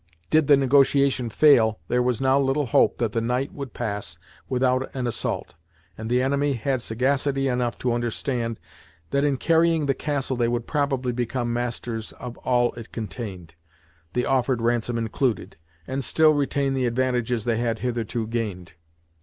Did the negotiation fail, there was now little hope that the night would pass without an assault, and the enemy had sagacity enough to understand that in carrying the castle they would probably become masters of all it contained, the offered ransom included, and still retain the advantages they had hitherto gained.